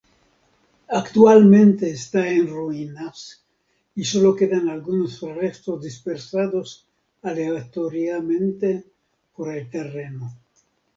Actualmente está en ruinas y solo quedan algunos restos dispersados aleatoriamente por el terreno.